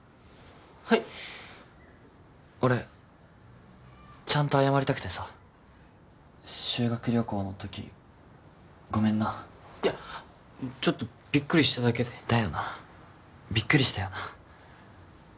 はい俺ちゃんと謝りたくてさ修学旅行のときごめんないやちょっとびっくりしただけでだよなびっくりしたよな